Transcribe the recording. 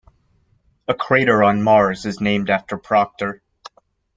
A crater on Mars is named after Proctor.